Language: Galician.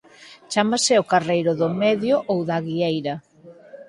Chámase o Carreiro do Medio ou da Aguieira.